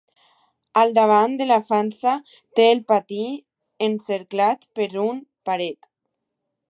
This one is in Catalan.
Al davant de la façana té el pati encerclat per una paret.